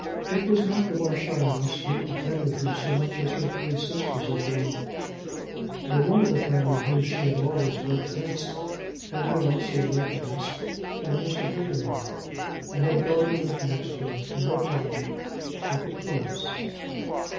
It was not the Marchioness who offended her so much as her three sisters in law. The one of the family whom she had always liked best had been also liked best by Mr. Holdenough, and had gone to live next door to her father in the Close.